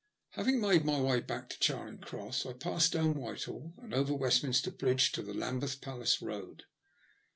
Having made my way back to Charing Cross, I passed down Whitehall and over Westminster Bridge to the Lambeth Palace Road.